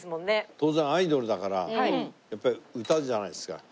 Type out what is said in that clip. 当然アイドルだからやっぱり歌うじゃないですか。